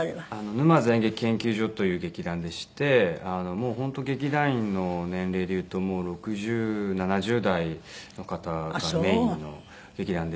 沼津演劇研究所という劇団でしてもう本当劇団員の年齢でいうと６０７０代の方がメインの劇団でして。